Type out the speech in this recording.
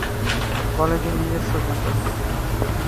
কলেজের নিজস্ব ক্যাম্পাস।